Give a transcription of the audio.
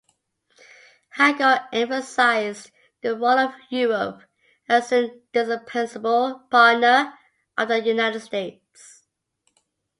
Hagel emphasized the role of Europe as an "indispensable partner" of the United States.